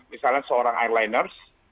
misalnya seorang airliners